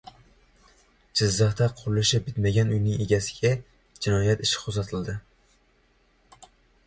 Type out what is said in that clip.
Jizzaxda qurilishi bitmagan uyning egasiga jinoyat ishi qo‘zg‘atildi